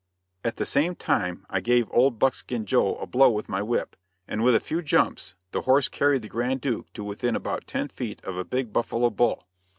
At the same time I gave old Buckskin Joe a blow with my whip, and with a few jumps the horse carried the Grand Duke to within about ten feet of a big buffalo bull.